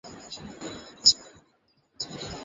একদিন কয়েকজন এসে তাঁদের ধরল, আমার সঙ্গে দেখা করিয়ে দিতে হবে।